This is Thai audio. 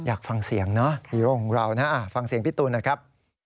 อยากฟังเสียงเนอะหรือว่าของเรานะฟังเสียงพี่ตูนนะครับ